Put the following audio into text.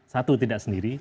satu tidak sendiri